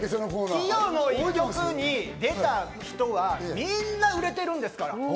「キヨの一曲」に出た人はみんな売れてるんですから！